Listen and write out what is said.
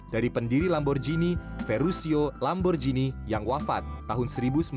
dari pendiri lamborghini verusio lamborghini yang wafat tahun seribu sembilan ratus sembilan puluh